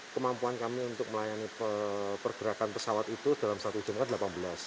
kemampuan kami untuk melayani pergerakan pesawat itu dalam satu jam kan delapan belas